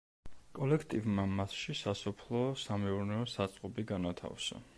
კოლექტივმა მასში სასოფლო სამეურნეო საწყობი განათავსა.